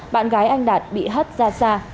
bạn gái anh đạt bị hất ra xa